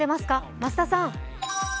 増田さん。